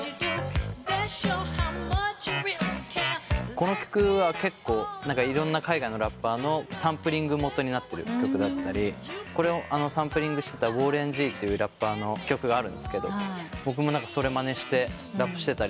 この曲はいろんな海外のラッパーのサンプリング元になってる曲だったりこれをサンプリングしてたウォーレン・ジーというラッパーの曲があるんですけど僕もそれまねしてラップしてたり。